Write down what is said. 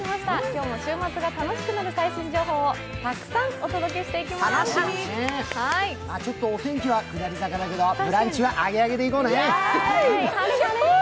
今日も週末が楽しくなる最新情報をたくさんお届けしてまいります。